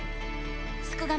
すくがミ